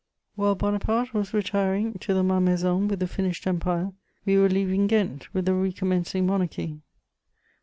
* While Bonaparte was retiring to the Malmaison with the finished Empire, we were leaving Ghent with the recommencing Monarchy.